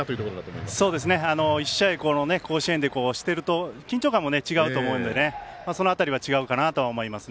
そうですね、１試合この甲子園でしていると緊張感も違うと思うのでその辺りは違うかなと思います。